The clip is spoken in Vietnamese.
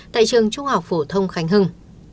tại trường trung học phổ thông khánh hưng